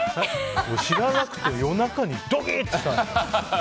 知らなくて、夜中にドキッとした。